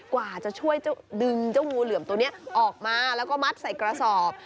กว่าจะช่วยดึงเจ้างูเหลือมตัวนี้ออกมาแล้วก็มัดใส่กระสอบ